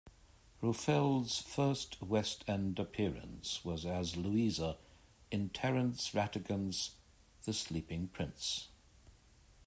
Ruffelle's first West End appearance was as Louisa in Terence Rattigan's "The Sleeping Prince".